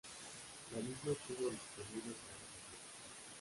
La misma estuvo disponible para esa fecha.